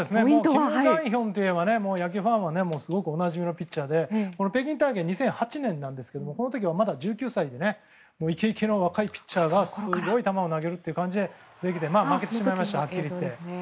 キム・グァンヒョンというともう野球ファンはおなじみのピッチャーで北京大会は２００８年なんですがこの時は、まだ１９歳でイケイケの若いピッチャーがすごい球を投げるという感じで出てきて、負けてしまいました。